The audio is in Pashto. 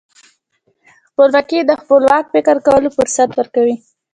خپلواکي د خپلواک فکر کولو فرصت ورکوي.